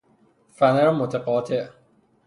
فنر متقاطع